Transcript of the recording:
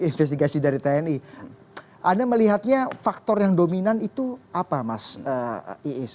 investigasi dari tni anda melihatnya faktor yang dominan itu apa mas iis